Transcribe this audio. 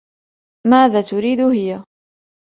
ماذا تريد هى؟